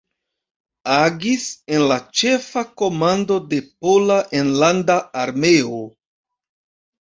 Agis en la Ĉefa Komando de Pola Enlanda Armeo.